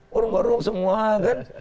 warung warung semua kan